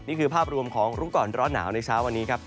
นี่คือภาพรวมของรู้ก่อนร้อนหนาวในเช้าวันนี้ครับ